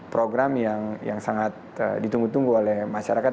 program yang sangat ditunggu tunggu oleh masyarakat